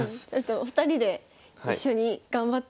お二人で一緒に頑張って。